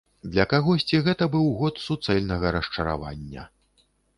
Для кагосьці гэта быў год суцэльнага расчаравання.